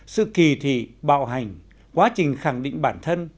sự kỳ thị bạo hành quá trình khẳng định bản thân